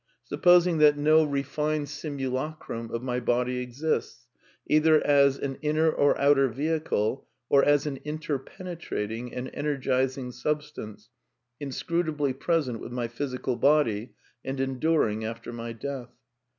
Suppos ing that no refined simulacrum of my body exists, either as an inner or outer vehicle, or as an interpenetrating and energizing substance, inscrutably present with my physical body and enduring after my death.